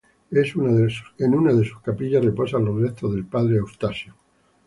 En una de sus capillas, reposan los restos del padre Eustasio.